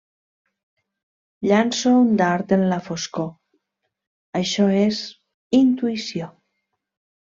Llanço un dard en la foscor, això és intuïció.